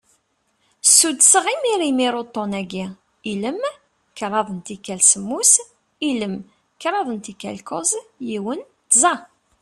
Suddseɣ imir imir uṭṭun-agi: ilem, kraḍ n tikal semmus, ilem, kraḍ n tikal kuẓ, yiwen, tẓa.